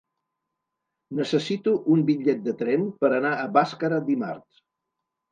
Necessito un bitllet de tren per anar a Bàscara dimarts.